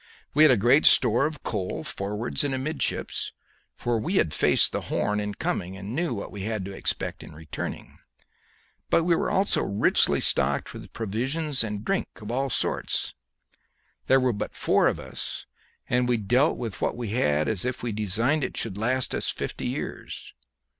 We had a great store of coal forwards and amidships, for we had faced the Horn in coming and knew what we had to expect in returning. We were also richly stocked with provisions and drink of all sorts. There were but four of us, and we dealt with what we had as if we designed it should last us fifty years.